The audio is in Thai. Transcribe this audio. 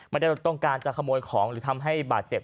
ไม่ได้ต้องการจะขโมยของหรือทำให้บาดเจ็บ